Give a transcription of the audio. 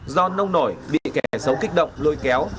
do nông nổi bị kẻ xấu kích động lôi kéo